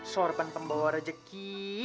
sorpan pembawa rezeki